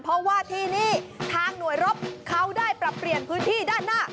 เพราะว่าที่นี่ทางหน่วยรบเขาได้ปรับเปลี่ยนพื้นที่ด้านหน้า